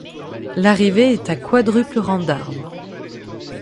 L’arrivée est à quadruple rang d’arbres.